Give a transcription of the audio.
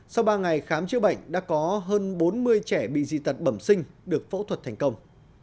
sau ba ngày khám chữa bệnh đã có hơn bốn mươi trẻ bị dị tật bẩm sinh được phẫu thuật thành công